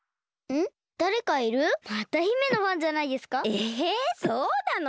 えそうなの？